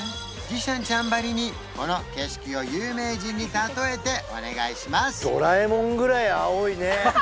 ジシャンちゃんばりにこの景色を有名人に例えてお願いします！